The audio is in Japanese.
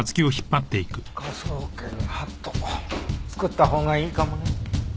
科捜研法度作ったほうがいいかもね。